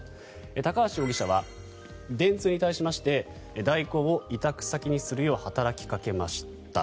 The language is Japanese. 高橋容疑者は電通に対しまして大広を委託先にするよう働きかけました。